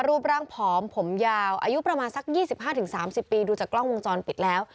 รูปร่างผอมผมยาวอายุประมาณสัก๒๕๓๐ปีดูจากกล้องวงจรปิดแล้ว